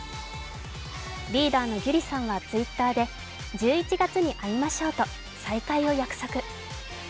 リーダーのギュリさんはＴｗｉｔｔｅｒで１１月に会いましょうと再会を約束。